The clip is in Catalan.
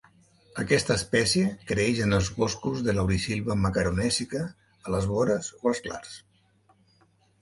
Aquesta espècie creix en els boscos de laurisilva macaronèsica a les vores o als clars.